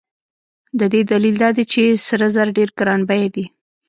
د دې دلیل دا دی چې سره زر ډېر ګران بیه دي.